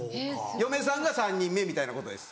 嫁さんが３人目みたいなことです。